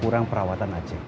kurang perawatan aja